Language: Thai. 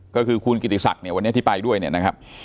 ก็คือคุณกิติศักดิ์วันนี้ที่ไปด้วยนะครับ